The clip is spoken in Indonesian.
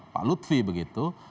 pak lutfi begitu